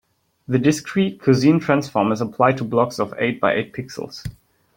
The discrete cosine transform is applied to blocks of eight by eight pixels.